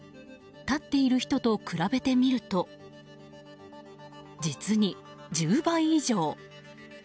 立っている人と比べてみると実に１０倍以上。